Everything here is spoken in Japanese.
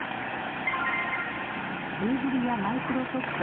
グーグルやマイクロソフト